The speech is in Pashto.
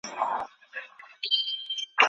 اسلامي حکومت مينځياني او مرييان رانيول او ازادول.